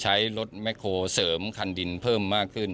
ใช้รถแคลเสริมคันดินเพิ่มมากขึ้น